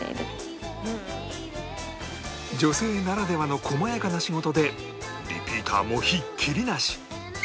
女性ならではの細やかな仕事でリピーターもひっきりなし